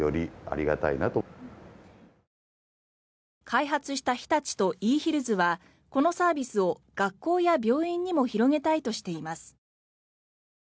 開発した日立とイーヒルズはこのサービスを、学校や病院にも広げたいとしています。